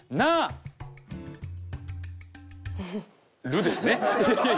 「る」ですね。